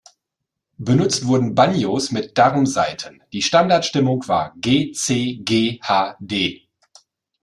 Benutzt wurden Banjos mit Darmsaiten, die Standardstimmung war g-C-G-H-d.